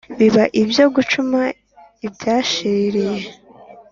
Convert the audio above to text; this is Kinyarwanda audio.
biba ibyo gucuma ibyashiririye